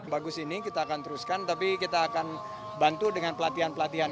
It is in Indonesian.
bagus ini kita akan teruskan tapi kita akan bantu dengan pelatihan pelatihan